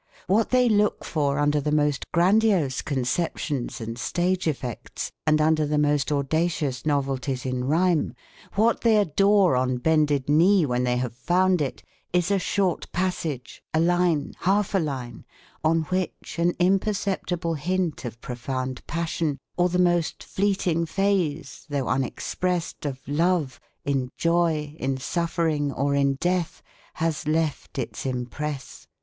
What they look for under the most grandiose conceptions and stage effects, and under the most audacious novelties in rhyme; what they adore on bended knee when they have found it, is a short passage, a line, half a line, on which an imperceptible hint of profound passion, or the most fleeting phase, though unexpressed, of love in joy, in suffering or in death has left its impress.